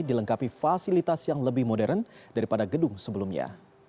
dilengkapi fasilitas yang lebih modern daripada gedung sebelumnya